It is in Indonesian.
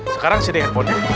sekarang sini handphonenya